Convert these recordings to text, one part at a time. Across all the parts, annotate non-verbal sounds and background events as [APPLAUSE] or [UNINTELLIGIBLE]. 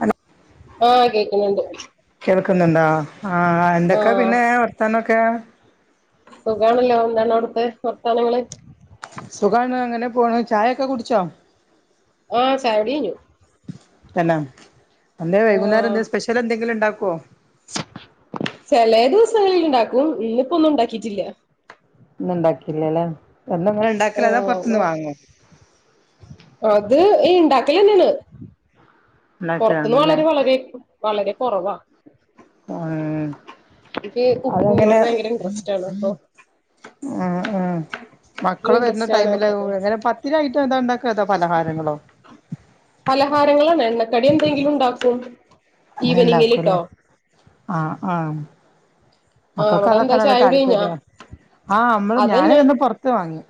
Hello ആഹ് കേക്കുന്ന്ണ്ട് കേൾക്കുന്നുണ്ടോ? ആഹ് എന്തൊക്കാ ആഹ് പിന്നെ വർത്താനൊക്കെ? സുഖാണല്ലോ എന്താണവിടുത്തെ വർത്താനങ്ങള് സുഖാണ് അങ്ങനെ പോണ് ചായയൊക്കെ കുടിച്ചോ? ആഹ് ചായുടികയിഞ്ഞു തന്നെ അന്തേ വൈകുന്നേരം എന്ത്യെ സ്പെഷ്യൽ എന്തെങ്കിലും ഇണ്ടാക്കുവോ? ചേലെ ദിവസങ്ങളില് ഇണ്ടാക്കും ഇന്നിപ്പോ ഒന്നും ഉണ്ടാക്കിറ്റില്ല ഇന്ന് ഉണ്ടാക്കില്ലല്ലേ എന്ന ആഹോ അത് ഇണ്ടാക്കലെന്നേണ് പൊറത്തന്ന് ഉണ്ടാക്കലാണല്ലേ വളരെ വളരെ വളരെ കൊറവാ ഉം എനിക്കി അതങ്ങനെ കുക്കിങ്ങിനോട് ഭയങ്കര ഇൻട്രസ്റ്റ് ആണട്ടോ ആഹ് ആഹ് മക്കള് വരുന്ന ഇൻട്രസ്റ്റ് ആണ് ടൈമില അപ്പൊ എങ്ങന ഒത്തിരി ഐറ്റം എന്താ ഉണ്ടാക്ക്അ അതൊ പലഹാരങ്ങളോ? പലഹാരങ്ങളാണ് എണ്ണക്കടി എന്തെങ്കിലും ഇണ്ടാക്കും അങ്ങനെ ഇണ്ടാക്കുഅല്ലെ ആഹ് ആഹ് ആഹ് മക്കൾക്ക് അവിടെ എന്താ അതൊക്കാണല്ലോ ചായുടി കഴിഞ്ഞാ താല്പര്യം ആഹ് നമ്മള് ഞാന അതന്നെ നിന്ന് പുറത്ത് വാങ്ങി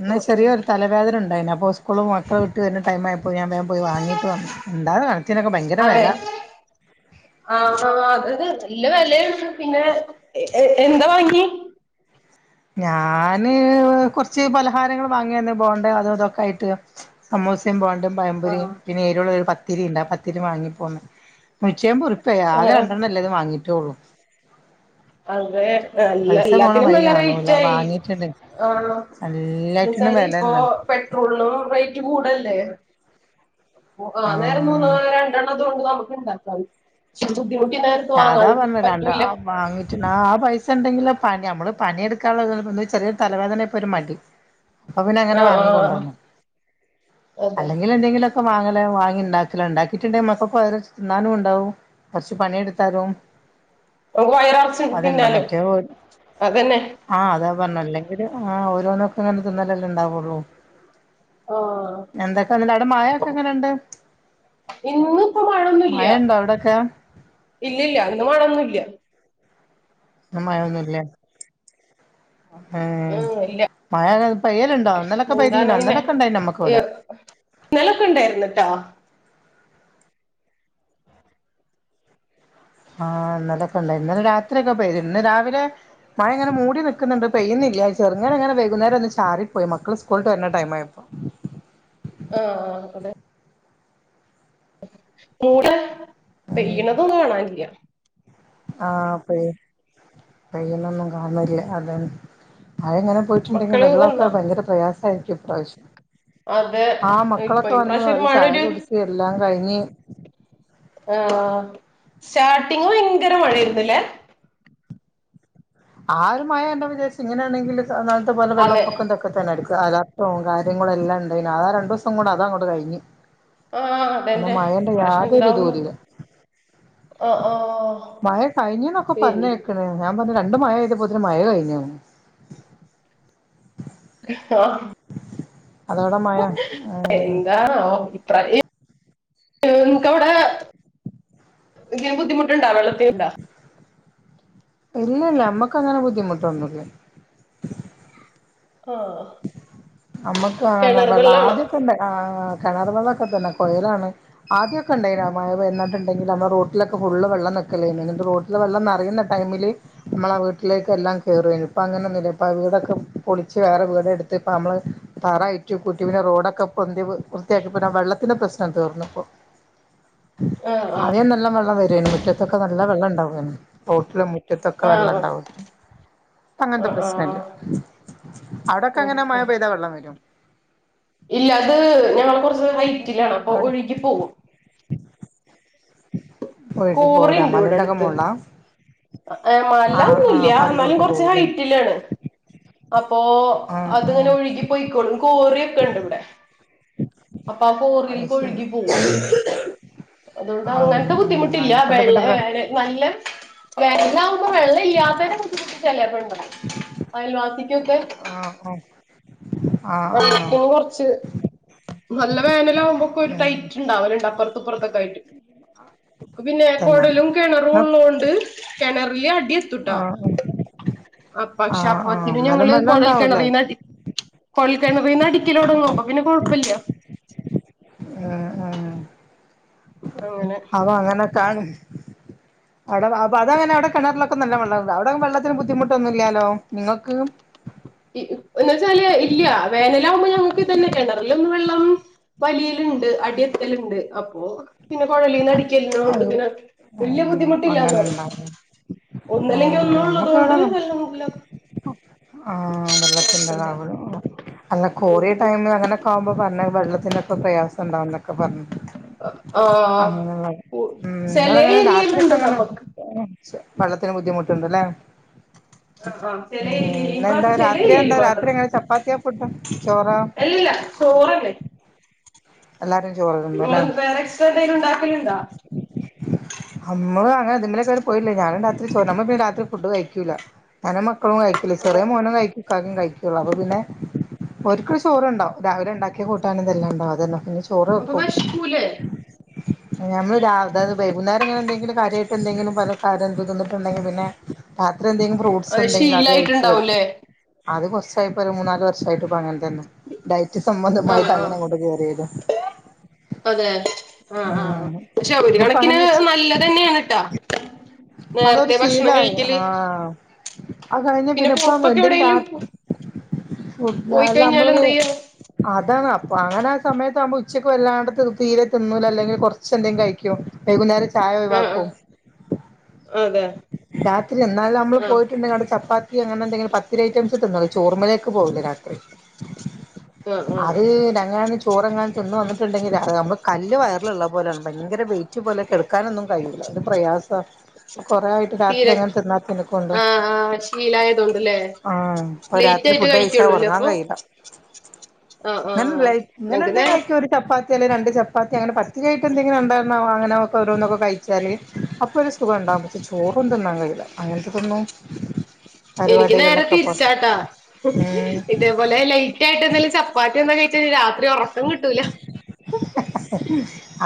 ഇന്ന് ഓഹ് ഓഹ് ചെറിയൊരു തലവേദന ഉണ്ടായിന് അപ്പോ സ്കൂള് മക്കളു വിട്ട് വരുന്ന ടൈ മായപ്പോൾ ഞാൻ വേഗം പോയി വാങ്ങിട്ട് വ ന്നു എന്താന്ന് കണത്തിനൊക്കെ ഭയങ്കര വെല ആഹ ആ അത് നല്ല വെലയാണ് പിന്നെ എന്താ വാങ്ങി ഞാന് കൊറച്ച് പലഹാരങ്ങൾ വാങ്ങിയന്ന് ബോണ്ടേം അതും ഇതൊക്കയിട്ട് സമൂസേം ബോണ്ടേം പഴപൊരിയും ആഹ് പിന്നെ എരുള്ള ഒരു പത്തിരി ഉണ്ടാ പത്തിരി വാങ്ങിപ്പോന്ന് നൂറ്റിഅയിമ്പേഉറിപ്പേയി ആക ആഹ് രണ്ടെണ്ണല്ലേത് വാങ്ങിട്ടേ ഉള്ളൂ അതെ നല്ല പൈസ പോണ എല്ലാത്തിനും വഴി നല്ല കാണൂല റെയ്റ്റായി വാങ്ങിട്ടുണ്ട് ന്ന് എല്ലാറ്റിനും വച്ചാല് ഇപ്പൊ വെലന്നെ പെട്രോളിനും റേറ്റ് കൂടല്ലേ ആ നേരം മൂ ആഹ് കൊണ്ട് നമുക്ക് ഇണ്ടാക്കാം ബുദ്ധിമുട്ടി നേരത്ത് അതാ വാങ്ങാനും പറഞ്ഞെ രണ്ട് പറ്റൂല്ല വാങ്ങിട്ട് ആ പൈസണ്ടെങ്കില് പ നമ്മള് പണിയെടുക്കാനുള്ള ചെറിയ തലവേദനയ പോ ഒരു മടി അപ്പൊ പിന്നെ അങ്ങനെ ആഹ് ആഹ് വാങ്ങിക്കണ്ടുവന്നു അതെ അല്ലെങ്- എന്തെങ്കിലൊക്കെ വാങ്ങല വാങ്ങിണ്ടാക്കില്ലണ്ടാക്കിട്ടുണ്ടെങ്കിൽക്കപ്പോ അവ തിന്നാനും ണ്ടാവും കുറച്ച് പണിയെടു- തരും നമക്ക് വയറ് നിറച് തിന്നാലോ അതന്നെ ആഹ് അതാ പറഞ്ഞ അല്ലെങ്കില് ആ ഓരോന്നോക്കെ അങ്ങനെ തുന്നലെല്ലാം ണ്ടാവൊള്ളൂ ആഹ് എന്തൊക്കെ വ അവിടെ മഴയൊക്കെ എങ്ങനെണ്ട്? ഇന്ന് പ്പ മഴ മഴൊന്നുല്ല ഉണ്ടോ അവിടൊക്കെ ഇല്ലല്ല ന്ന് മഴൊന്നുല്ല ന്ന്‌ മഴൊന്നും ല്ലെ? ഏ ആഹ് ഇല്ല മഴ പയ്യലുണ്ടോ അന്നലൊക്കെ എന്താണ് പൈതീനോ ന്നലൊക്കെ ഉണ്ടായി നമ്മുക്കവിടെ ഇന്നലെക്കുണ്ടായിരുന്നുട്ട ആഹ് ഇന്നലൊക്കെ ഇണ്ടായിരുന്നു ഇന്നലെ രാത്രിയൊക്കെ പെയ്തു ഇന്ന് രാവിലെ മഴങ്ങനെ മൂടി നൽക്കുന്നുണ്ട് പെയ്യുന്നില്ല ചെറുങ്ങന വകുന്നേരം വന്ന് ചാരി പോയി മക്കൾ സ്കൂളട്ട് വര ടം ആയപ്പോ ആഹ ആ അതെ കൂടെ പെയ്യണതൊന്ന കാണില്ല്യ ആഹ് പെയ പെയ്യന്നൊന്നും കാനന്നില്ല അത ആങ്ങനെ പോയിട്ടുണ്ടെങ്കിൽ മക്കള് വന്നാ വെള്ളവൊക്കെ ഭയങ്കര പ്രയാസമായിരിക്കും ഇപ്രാവശ്യം അതെ ആ ഇപ്പൊ മക്കളൊക്കെ വന്ന് ഇപ്രാവശ്യം ഒരു ചായ മഴൊരു കുടിച്ച് എല്ലാം കഴിഞ്ഞ് ആ സ്റ്റാർട്ടിങ്ങ് ഭയങ്കര മഴയാരുന്നല്ലേ ആ ഒരു മയ [UNINTELLIGIBLE] വിചാരിച്ച് ഇങ്ങനെയാണെങ്കിൽ ഇന്നാൾത്തെ പോലെ അതെ വെള്ളപ്പൊക്കം എന്തൊക്കെ ഇപ്പെ തന്നെ എടുക്ക അലർട്ടും കാര്യങ്ങളും എല്ലാംണ്ടായി അത് രണ്ട് ദിവസം കൊണ്ട് അതങ്ങോട് കഴിഞ്ഞ് ആഹ് പിന്നെ അതെന്നെ മഴേന്റെ ഇപ്രാവശ്യം യാതൊരു എന്താവുന്ന് ഇതുല്ല ആഹ് ആഹ് മയ കഴിഞ്ഞിന്നൊക്കെ പിന്നെ പറഞ്ഞേ ഞാ പറഞ്ഞു രണ്ട് മഴ പെയ്താപ്പോത്തിന് മയ കയിഞ്ഞോ ആ അതോടെ മഴ ഉം എന്താണാവോ അഭിപ്രായം നിങ്ങക്കവിടെ ഏഹ് ബുദ്ധിമുട്ടുണ്ടാ വെള്ളത്തിനുണ്ടാ ഇല്ലില്ല നമ്മക്കങ്ങനെ ബുദ്ധിമുട്ടൊന്നുല്ല ആഹ് നമ്മക്ക് ആ കിണർ വെള്ള വെള്ളാണോ ആദ്യൊ തന്നെ ആ കിണർ വെള്ളൊക്കെ തന്നെ കൊയലാണ് ആദ്യക്കെണ്ടായി മയ [UNINTELLIGIBLE] എന്നിട്ടുണ്ടെങ്കിൽ നമ്മ റോട്ടിലൊക്കെ ഫുള്ള് വെള്ളം നിക്കലേയ്ന് എന്നിട്ട് റോട്ട ന്ന വെള്ളം നെറയുന്ന ടൈമില് നമ്മള വീട്ടിലേക്ക് എല്ലാം കേറു ആയിരുന്നു ഇപ്പ അങ്ങനെ ഒന്നുല്ല ഇപ്പ വീടൊക്കെ പൊളിച്ച് വേറെ വീ എടുത്ത്പ്പ നമ്മള് താറായിറ്റു കുറ്റുവിനെ റോഡൊക്കെ പൊന്തി വൃത്തിയാക്കിപ്പോ വെള്ളത്തിന്റെ പ്രശ്നം തീർന്നിപ്പോ ആഹ് [INAUDIBLE] ആഹ് ആദ്യം നല്ല വെള്ളം വരുവായിരുന്നു മുറ്റത്തൊക്കെ നല്ല വെള്ളം ഉണ്ടാവും തോട്ടിലും മി റ്റത്തൊക്കെ ആഹ് വെള്ളണ്ടാവും ഇപ്പ അങ്ങനത്തെ ആഹ് പ്രശ്നല്ല ആഹ് അവിടെക്കെങ്ങനെ ഓക്കെ മഴ പെയ്താ വെള്ളം വരോ ഇല്ല അത് ഞങ്ങള് കുറച്ച് ഹൈറ്റിലാണ് അപ്പൊ അവിടെ ഒഴുകി പോകും പോയിറ്റ് പോവൂല കോറിണ്ട് ഇവിടെ മലന്റെ ഒക്കെ അടുത്ത് മോളിലാ ഏഹ് മല ആഹ് ആഹ് ഒന്നുംല്ല അപ്പൊ എന്നാലും അതിലോട്ട് കൊറച്ച് പോകൂല്ലേ ഹൈറ്റിലാണ് അപ്പോ ആഹ് അത്ങ്ങനെ ആഹ് ഒഴുകി പോയിക്കോളും കോറിയൊക്കണ്ട് ഇവിടെ അപ്പൊ ആ അത് കോറിൽക്ക് ശരി ഒഴുകി പോകും അതുകൊണ്ട് ആഹ് അങ്ങനത്തെ ആഹ് ബുദ്ധിമുട്ട് ട്ടില്ല അയിനെക്കൊണ്ട് വെള്ള പിന്നെ പ്ര വന നല്ല വെള്ളാവുമ്പോ വെള്ളം ഇല്ലാത്തെന്റെ ബുദ്ധിമുട്ട് ചിലപ്പുണ്ട് അയൽവാസിക്കൊക്കെ ആഹ് ആഹ് ആഹ് ആഹ് അപ്പം കുറച്ച് നല്ല വേനലാമ്പോക്കെ ഒരു ടൈറ്റ് ഇണ്ടാവലുണ്ട് അപ്പുറ അപ്പറത്തൊക്കേയ് ഉം ആഹ് പിന്നെ കുഴലും കിണറും ഉള്ളൊണ്ട് കിണറില് അടി എത്തുട്ടാ ആഹ് അ പക്ഷെ ആഹ് ആഹ് അപ്പത്തിന് എന്നാലും ഞങ്ങള് വെള്ളം കുഴൽ ഉണ്ടാവൂല്ലേ കിണറീന്ന് അടി കൊഴൽ കിണറീന്ന് അടിക്കലൊടങ്ങും അപ്പോ പിന്നെ കൊഴപ്പില്ല ആഹ് ആഹ് അങ്ങനെ അവ അങ്ങനക്കാണ് അവിടെ അപ്പൊ അതങ്ങനെ അവിടെ അപ്പോ അതങ്ങനെ കിണറിലൊക്കെ നല്ല വെള്ളംണ്ട് അവിടെ വെള്ളത്തിന് ബുദ്ധിമുട്ടൊന്നുല്ലാലോ നിങ്ങൾക്ക് എന്ന് വെച്ചാല് ഇല്ല വേനലാവുമ്പോ ഞങ്ങക്ക് ഇതന്നെ കെണറിലൊന്നും വെള്ളം വലിയലുണ്ട് അടിയെത്തലുണ്ട് അപ്പോ പിന്നെ കുഴലീന്ന് അടിക്കല്ലേ നോട്‌ അത് [UNINTELLIGIBLE] വല്ല്യ ഉം ബുദ്ധിമുട്ടില്ലാന്ന് അങ്ങനെ പറയും ഉണ്ടാവും ഒന്നില്ലെങ്കിൽ ഒന്ന് ആഹ് നമ്മക്ക് ഉള്ളതുകൊണ്ട് ഇവിടെ നല്ല ആഹ് വെള്ളത്തിന്റ താവുള്ളു അല്ല കോറിയ ഉം ടൈം അങ്ങനെ ക്കാവുമ്പോ പറഞ്ഞ വെള്ളത്തിന്റൊക്കെ പ്രയാസം ഉണ്ടാവന്നൊക്കെ പറഞ്ഞ് ആഹ് ഉം ചെലേ നിങ്ങളങ്ങനെ രാത്രിയൊക്കെ ഏരിയലുണ്ട് അങ്ങനെ നമുക്ക് വെള്ളത്തിന് ബുദ്ധിമുട്ടുണ്ടല്ലേ ആഹ് ആഹ് ചെല ഉം ഏരിയയില് ഈ ഇന്നെന്താ ഭാഗത്ത് ചെല രാത്രിയാ ഏരിയയില് എന്താ മാത്രം രാത്രി എങ്ങനെ ചപ്പാത്തിയാ പുട്ടാ ചോറാ ചോറല്ലെ എല്ലാരും ചോറ് തിന്നുംല്ലേ നിങ്ങള് വേറെ എക്സ്ട്രാന്തേലും ഉണ്ടാക്കലുണ്ടാ നമ്മള് അങ്ങനെ ഇതിലൊരൊക്കെവര് പോയില്ലേ ഞാനും രാത്രി ചോറ് നമ്മള് പിന്നെ രാത്രി ഫുഡ് കഴിക്കൂല്ല. ഞാനും മക്കളും കഴിക്കുല ചെറിയ മോനും കഴിക്കും ഇക്കാക്കേം കഴിക്കുള്ളു അപ്പൊ പിന്നെ ഓര്ക്ക്‌ള്ള ചോറ് ഉണ്ടാവും രാവിലെ ഉണ്ടാക്കിയ കൂട്ടാനും ഇതെല്ലാം ഉണ്ടാവും അതിന്നാ പിന്നെ ചോറ് അപ്പൊ വെക്കും വെശ്ക്കൂലേ ഞമ്മൾ രാ അതായത് വൈകുന്നേര ഇങ്ങനെന്തെങ്കിലും കാര്യായിട്ട് എന്തെങ്കിലും പല കാരംന്ത്തിന്നിട്ടണ്ടങ്കി പിന്നെ രാത്രിഎന്തെങ്കിലും ഫ്രൂട്ട്സ് എന്തെങ്കിലും അത് കഴിച്ച് കെടക്കും അത് കുറച്ചായിപ്പോ ഒരു മൂന്നാല് വർഷായിട്ട്പ്പ അങ്ങനെ തന്ന ഡയറ്റ് സംബന്ധമായിട്ട് ആഹ് അങ്ങനെ ആഹ് അങ്ങോട്ട് കെയർ ചെയ്ത് അതെ അതെ ആഹ് ആഹ് ഉം പക്ഷെ ഒരു അതിപ്പോ കണക്കിന് അങ്ങനെ നല്ലത് തന്നെയാണ് ട്ടാ അതൊരു നേരത്തെ ഭക്ഷണം ശീലായി കഴിക്കല് ആഹ് കഴിഞ്ഞ് പിന്നെ പിന്നപ്പം പുറത്തൊക്കെ എന്തെങ്കി രാ എവിടെലും ഫുഡാ പോയി കഴിഞ്ഞാൽ നമ്മള് എന്ത് ചെയ്യാ അതാണ് അപ്പൊ അങ്ങനെ സമയത്ത് ആമ്പോ ഉച്ചക്ക് വല്ലാണ്ട് തി തിരെ തിന്നൂല അല്ലെങ്കി കൊറച്ചെന്തെങ്കി കഴി ക്കും വൈകുന്നേരം ചായ ആഹ് ഒയിവാക്കും അതെ രാത്രി എന്നാലും നമ്മള് ആഹ് പോയിട്ടുണ്ടെങ്കി അവടെ ചപ്പാത്തി അങ്ങനെ എന്തെങ്കിലും പ ത്തിരി ഐറ്റംസ് തിന്ന ചോർമലേക്ക് പോവുല്ല രാത്രി ആഹ് അത് ആഹ് ഞങ്ങളയ്ന് ചോറ്ങ്ങാൻ തിന്ന് വന്നിട്ടുണ്ടെങ്കിൽ അത് നമ്മള് കല്ല് വയറിലുള്ള പോലാണ് ഭയങ്കര വെയിറ്റ് പോലെ കെട ക്കാനൊന്നും കഴിയൂല്ല അത് പ്രയാസ. കൊറെ ആയിട്ട് രാത്രി തീരെ അങ്ങനെ തിന്നാത്തിനക്കൊണ്ട് ആഹ് ആഹ് ശീലായതോണ്ട്ല്ലേ ആഹ് അപ്പൊ ലേറ്റ് രാത്രി ആയിട്ട് ഫുഡ് കഴിച്ചാ കഴിക്കുള്ളൂല്ലേ ഒറങ്ങാൻ അപ്പൊ കഴില്ല ആഹ് ആഹ് അങ്ങനല്ലയ് ഇങ്ങനെ ഞങ്ങക്ക് എന്തെ നേ കഴിക്കൊരു ചപ്പാത്തി അല്ലേ രണ്ട് ചപ്പാത്തി അങ്ങനെ പത്തിരിയായിട്ട് എന്തെങ്കിലും ഉണ്ടായിരുന്നാ വാങ്ങനവ് ഓരോന്നൊക്കെ കഴിച്ചാല് അപ്പോ ഒരു സുഖം ഉണ്ടാകും ചോറും തിന്നാ കഴിയ്ല്ല അങ്ങനത്തെതിന്നു എനിക്ക് നേരെ തിരിച്ചാട്ടാ ഉം ഇതേപോലെ ലെ ലൈറ്റ് ആയിട്ട്ന്തേലും ചപ്പാത്തി എന്തേ കഴിച്ച് കഴിഞ്ഞാൽ രാത്രി ഒറക്കം കിട്ടൂല.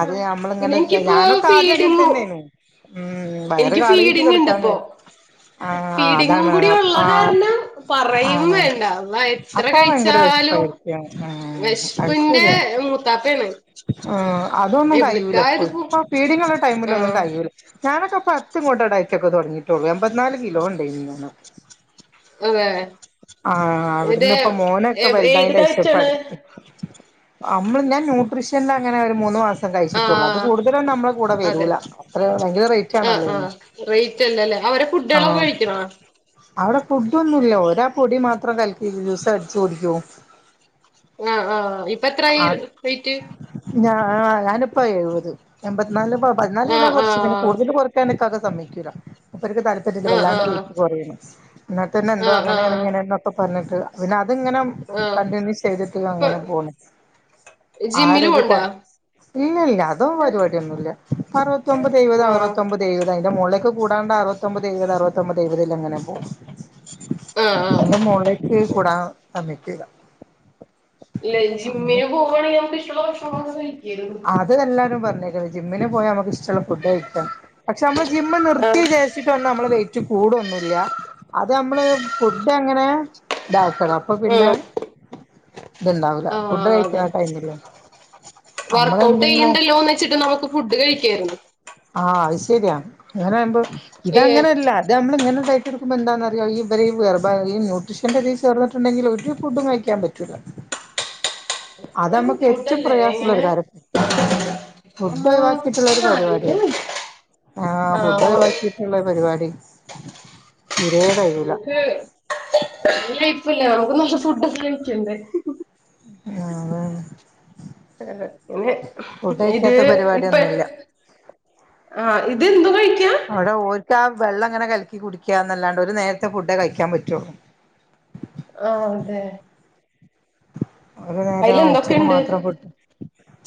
അത് ആഹ് നമ്മള് പിന്നെ ഇങ്ങനെതെ എനിക്കിപ്പോ ഞാനൊക്കെ ആദ്യം ഫീഡിങ്ങു അങ്ങനെത്തന്നെന്നു. ഉം വയറ് എനിക്ക് കാളീട്ട് ഫീഡിങ് ഉണ്ട് കെടുക്കാൻ ഇപ്പോ കാഴ് ആഹ് ഫീഡിങ്ങും അതാണ് കൂടി അപ് ഉള്ള ആഹ് കാരണം പറയും വേണ്ട അള്ളാ എത്ര ഭയങ്കര കഴിച്ചാലും വിശപ്പായിരിക്കും ഉം വെഷ് പ്പിന്റെ മൂത്താപ്പേണ്. ആഹ് അതൊന്നും കഴിയൂല ഇപ്പ് പോ ഇപ്പ ഫിഡിങ്ങുള്ള ടൈമിലൊന്നും ആഹ് കഴുല ഞാനൊക്കെ പത്ത് കൊണ്ടാ ടൈറ്റൊക്കെ തുടങ്ങിയിട്ടുള്ളൂ എമ്പത്തിനാല് കിലോ ഉണ്ടേയ്ന് ഞാന് അതെ ആഹ് ഇത് അവിടുന്ന് ഇപ്പൊ മോനൊക്കെ ഏത് വലുതായീന്റെ ശേഷം ഡയറ്റാണ് ഇപ്പടുത്ത് അമ്മള് ഞാൻ ന്യൂട്രീഷ്യൽ അങ്ങനെ ഒരു മൂന്ന് മാ സം കഴിച്ചിട്ടുള്ളൂ അത് ആഹ് കൂടുതലൊന്നും നമ്മള കൂടെ അതെ വരൂല അത്ര ഭയങ്കര റെറ്റ് ആണല്ലോ അയ്ന് റെറ്റ് അല്ലല്ലേ അവര് ഫുഡ്ളോ കഴിക്കണ അവിടെ ഫുഡൊന്നുല്ല ഓരാ പൊടി മാത്രം കലക്കി ജൂസ് അടിച്ച് കുടിക്കും ആഹ് ആഹ് ഇപ്പത്രായി ആ വെറ്റ് ഞാ ഞാനിപ്പോ എഴുവത് എമ്പത്ത്നാല്പ്പൊ പതിനാൽ കിലോ ആഹ് കൊർച്ച് ആഹ് പിന്നെ കുടുതല് കുറാ ക്കാൻ ഇക്കാക്ക സമ്മയ്ക്കൂലാ മൂപ്പര്ക്ക് താല് പര്യല്ല ആഹ് വല്ലാണ്ടെ ആഹ് വെറ്റ് കൊറിണേ ഇന്നലെ തന്നെ എന്തോ ആഹ് അങ്ങനെണ് ആഹ് ഇങ്ങനെന്നൊ ഒക്കെ പർഞ്ഞിട്ട് പിന്നെ അത്ങ്ങനെ മ് ആഹ് കണ്ടിന്യൂ ചെയ്തിട്ട് ഇപ്പൊ അങ്ങനെ പോണേ ജിമ്മില് പോവ്ണ്ടാ ഇല്ലില്ല്യ അതോ പരിപാടിയൊന്നുല്ല അറുവത്തൊമ്പത് എയ് വത് ആഹ് അറുപത്തൊമ്പത് എയ്‌വത് അയ്ന്റെ മോളിലേക്ക് കൂടാണ്ട അറുവത്തൊമ്പതെയ്‌വത് അറുവത്തൊമ്പതെയ്‌വത് അങ്ങനെ പോം ആഹ് ആഹ് ആയിന്റെ മോളേക് കൂടാൻ സമ്മയ്ക്കൂല ഇല്ലെ അങ്ങനെ ജിമ്മിന് പോവാണെങ്കി നമക്ക് ഇഷ്ടള്ള ഭക്ഷണങ്ങളൊക്കെ കഴിക്കെ അത് എല്ലാരും പറഞ്ഞേക്കണ് ജിമ്മിന് പോയാ നമ്മക്ക് ഇഷ്ടള്ള ഫുഡ് കയ്ക്കാന്ന് പക്ഷെമ്മള് ജിമ്മ് നിർത്തി ആഹ് വിജ ച്ചിട്ടൊന്നും നമ്മളെ വൈറ്റ് കൂടൊന്നുല്ല അത് നമ്മള് ഫുഡ് അങ്ങനെ താക് കണ് അപ്പൊ പിന്നെ ഉം ഇത്ണ്ടാവൂല്ല ഫുഡ് കഴിക്കണ ടൈമല്ലേ വർക്ക് ഔട്ട് യ്യണ്ടല്ലോ ന്നെച്ചിട്ട് നമുക്ക് ഫുഡ് കഴിക്കായിര്ന്ന് ആഹ് അയ്ശരിയാ ങ്ങനെ ആവുമ്പോ ഏഹ് ഇതങ്ങനെല്ല അത് നമ്മൾങ്ങനെ ഡൈറ്റട്ക്കുമ്പോ എന്താന്നറിയൊ ഈ ഇവര് വെർബാ ഈ ന്യൂട്രിഷന്റെ തി ചേർന്ന്ട്ട്ണ്ടെങ്കില് ഒരു ഫുഡും കഴിക് യ്യാം പറ്റൂല അത് ഇങ്ങനെ നമ്മക്ക് ഏറ്റവും ബുദ്ധിമുട്ടല്ലേ പ്രയാസള്ള എങ്ങനെ ഒരു കാര്യം [UNINTELLIGIBLE] ആഹ് ട്ടുള്ള പരിപാടിയ ആലോചിക്കാൻ വയ്യ ആഹ് ഫുഡ് ഒഴിവാക്കി കിട്ടുള്ളൊരു പരിപാടി തീരെ കഴിയൂല ഫുഡ്‌ ലൈപ്പല്ലെ നമുക്ക് നല്ല ഫുഡൊക്കെ കയ്ക്കണ്ടെ ആഹ് അതാണ് അതെ അന് ഫുഡ് ഇത് കഴിക്കാത്ത ഇപ്പെ പരിപാടിയൊന്നുല്ല ആഹ് ഇതെന്തു കഴിക്ക അവ്ട ഓര്ക്ക് ആഹ് വെള്ളം ഇങ്ങനെ കല്ക്കി കുടിക്കാന്നല്ലാണ്ട് ഒരു നേരത്തെ ഫുഡേ കഴിക്കാൻ പറ്റുള്ളൂ ആഹ് അതെ ഒരു നേരം ഉച്ചക്ക് അയ്ലെന്തൊക്കെണ്ട് മാത്രം ഫുഡ്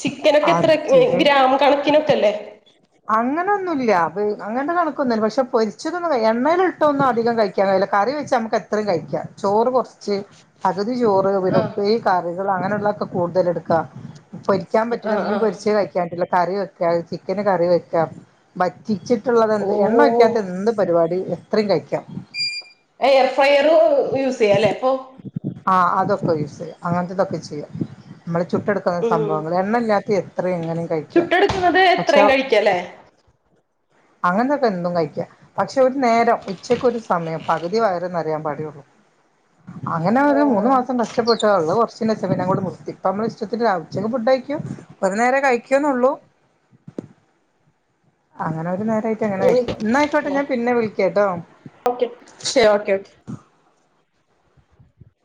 ചിക്കനൊക്കെ എത്ര അത് ഗ്രാം കണക്കിനൊക്കെല്ലേ അങ്ങനൊന്നുല്ല അത് അങ്ങൻത്തെ കണക്കൊന്നുല്ല പക്ഷെ പൊരിച്ചതൊന്നും കയ് എണ്ണേല്ട്ടൊന്നും അധികം കയ് ക്കാൻ കയ്യൂല കറി വെച്ച് നമ്മക്ക് എത്രയും കഴിക്ക്യാ ചോറ് കൊറ്ച്ച് ക്യാ പകുതി ചോറ് വിൻ ആഹ് ഉപ്പേരി കറികൾ അങ്ങനെള്ളൊക്കെ കൂടുതൽ എടുക്കാ പൊരിക്ക്യാൻ പറ്റൂല്ല ആഹ് മീൻ ആഹ് പൊരിച്ച്ത് കയ്ക്യാംറ്റുല്ല കറി വെക്ക ചിക്കന് കറി വെക്ക പ ഇച്ചിട്ടുള്ളത് എന്ത് എണ്ണ ഓഹ് വയ്ക്കാത്ത എന്ത് പരിപാടി എത്രയും കഴിക്കാം എയർ ഫയറ് യൂസ് ചെയ്യലെ പ്പൊ ആഹ് അതൊക്കെ യൂസ് ചെയ്യാ അങ്ങനത്തെതൊക്കെ ചെയ്യാ നമ്മള് ചുട്ടെട് ഉം സംഭവങ്ങള് എണ്ണല്ലാത്ത എത്രേം എങ്ങനേം കഴിക്ക പക്ഷെ ക ക്യല്ലേ അങ്ങനക്കെന്തും കയിക്ക്യ പക്ഷെ ഒരു നേരം ഉച്ചക്ക്രു സമയം പകുതി വയറ് നറിയാൻ പടിയുള്ളൂ അങ്ങനെ ഒരു ഓഹ് മൂന്ന് മാസം കഷ്ടപ്പെട്ട് ഉള്ള കൊറ്ച്ച് നെ സ് അ എല്ലാ കൂടെ നിർത്തിപ്പ നമ്മള ഇഷ്ടത്തിനാവും ഉച്ചക്ക് ഫുഡ് കയ്ക്ക്യും ഒരു നേരെ കയ്ക്യുന്നൊള്ളൂ അങ്ങനെ ഒരു നേരായിട്ടങ്ങനെ കയ്ക്ക്യും ഇന്നായിക്കോട്ടെ ഞാം പിന്നെ വിളിക്കട്ടോ ഓക്കെ ശരി ഓക്കെ ഓക്കെ